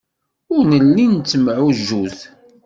Ur nelli nettemɛujjut.